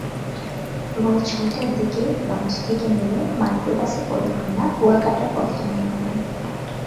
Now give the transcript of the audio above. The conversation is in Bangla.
ভোর ছয়টার দিকে লঞ্চ থেকে নেমে মাইক্রোবাসে করে আমরা কুয়াকাটার পথে রওনা হলাম।